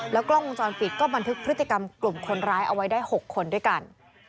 กล้องวงจรปิดก็บันทึกพฤติกรรมกลุ่มคนร้ายเอาไว้ได้๖คนด้วยกัน